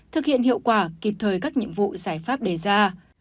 thực hiện hiệu quả kịp thời các nhiệm vụ giải pháp đề ra